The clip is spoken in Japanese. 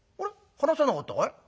話さなかったかい？